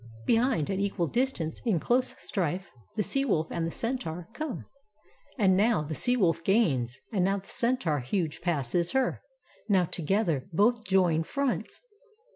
Behind, at equal distance, in close strife The Sea wolf and the Centaur come: and now The Sea wolf gains, and now the Centaur huge Passes her; now together both join fronts.